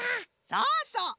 そうそう。